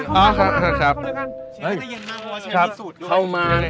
เชฟเข้ามาเข้ามาเรื่องนี้นะค่ะ